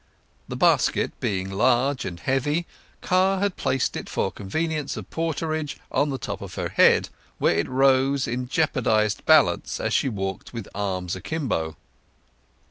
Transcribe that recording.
The basket being large and heavy, Car had placed it for convenience of porterage on the top of her head, where it rode on in jeopardized balance as she walked with arms akimbo.